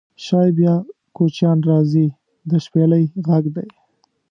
شایي بیا کوچیان راځي د شپیلۍ غږدی